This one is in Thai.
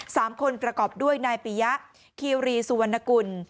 สามคนประกอบด้วยนายปียะคีรีสุวรรณกุล